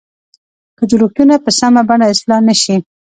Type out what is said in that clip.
که جوړښتونه په سمه بڼه اصلاح نه شي.